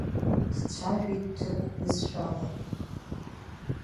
Дцәажәеит ҭырқә бызшәала.